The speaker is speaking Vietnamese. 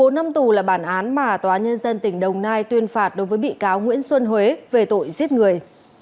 một mươi năm tù là bản án mà tòa nhân dân tỉnh đồng nai tuyên phạt đối với bị cáo nguyễn xuân huế về tội giết người